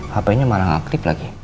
hp nya malah aktif lagi